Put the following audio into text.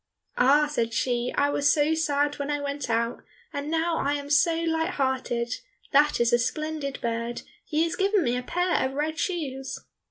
"Ah," said she, "I was so sad when I went out and now I am so light hearted; that is a splendid bird, he has given me a pair of red shoes!"